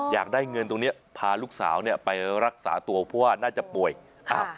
อยากได้เงินตรงเนี้ยพาลูกสาวเนี่ยไปรักษาตัวเพราะว่าน่าจะป่วยอ้าว